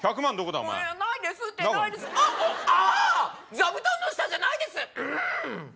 座布団の下じゃないですうん！